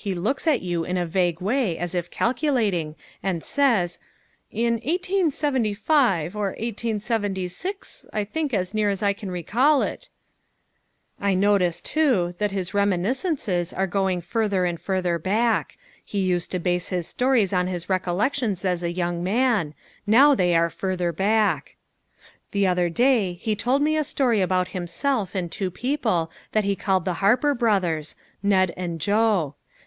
he looks at you in a vague way as if calculating and says, "in 1875, or 1876, I think, as near as I recall it " I notice, too, that his reminiscences are going further and further back. He used to base his stories on his recollections as a young man, now they are further back. The other day he told me a story about himself and two people that he called the Harper brothers, Ned and Joe.